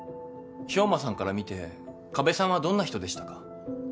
兵馬さんから見て加部さんはどんな人でしたか？